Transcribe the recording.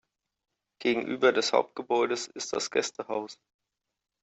Gegenüber des Hauptgebäudes ist das Gästehaus.